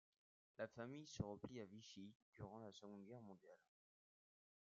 La famille se replie à Vichy durant la Seconde Guerre mondiale.